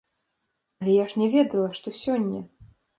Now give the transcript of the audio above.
Але я ж не ведала, што сёння!